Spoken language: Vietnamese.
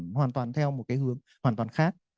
hoàn toàn theo một cái hướng hoàn toàn khác